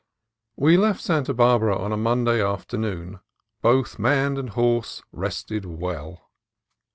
WE left Santa Barbara on a Monday afternoon, both man and horse well rested.